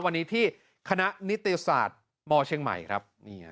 วันนี้ที่คณะนิติศาสตร์มเชียงใหม่ครับ